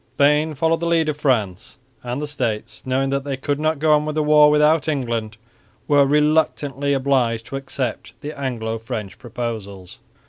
Spain followed the lead of France; and the States, knowing that they could not go on with the war without England, were reluctantly obliged to accept the Anglo French proposals.